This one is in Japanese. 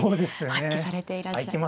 発揮されていらっしゃって。